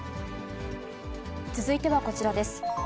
続いてはこちらです。